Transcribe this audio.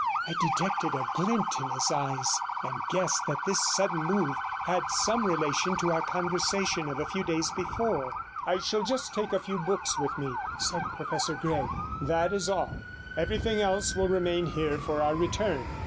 I detected a glint in his eyes, and guessed that this sudden move had some relation to our conversation of a few days before. 51 'I shall just take a few books with me,' said Professor Gregg, 'that is all. Everything else will remain here for our return.